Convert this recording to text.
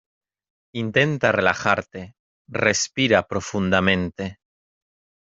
intenta relajarte. respira profundamente .